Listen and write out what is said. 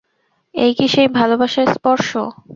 এই কি সেই ভালোবাসার স্পর্শ?